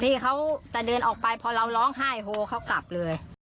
ที่เขาจะเดินออกไปพอเราร้องไห้โฮเขากลับเลย